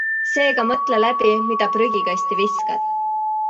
Seega mõtle läbi, mida prügikasti viskad.